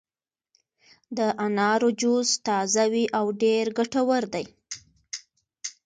د انارو جوس تازه وي او ډېر ګټور دی.